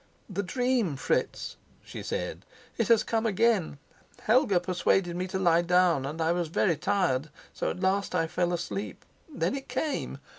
"The dream, Fritz," she said. "It has come again. Helga persuaded me to lie down, and I was very tired, so at last I fell asleep. Then it came.